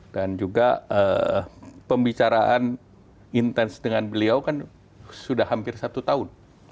dan juga pembicaraan intens dengan beliau kan sudah hampir satu tahun